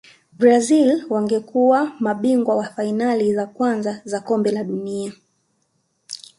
brazil wangekuwa mabingwa wa fainali za kwanza za kombe la dunia